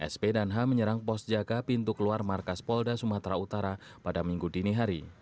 sp dan h menyerang pos jaga pintu keluar markas polda sumatera utara pada minggu dini hari